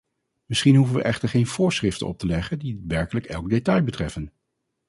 Misschien hoeven we echter geen voorschriften op te leggen die werkelijk elk detail betreffen.